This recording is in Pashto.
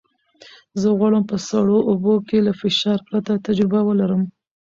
زه غواړم په سړو اوبو کې له فشار پرته تجربه ولرم.